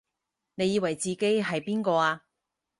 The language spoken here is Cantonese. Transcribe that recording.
你以為自己係邊個啊？